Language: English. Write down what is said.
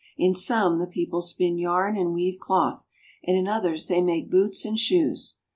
In some the people spin yarn and weave cloth, and in others they make boots and shoes.